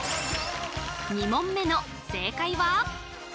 ２問目の正解は？